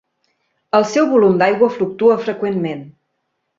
El seu volum d'aigua fluctua freqüentment.